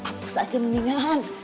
apus aja mendingan